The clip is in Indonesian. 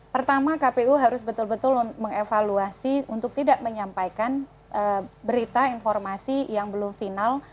pertama kpu harus betul betul mengevaluasi untuk tidak menyampaikan berita informasi yang belum final